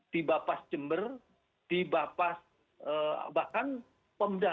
di bapas jember di bapas bahkan pemda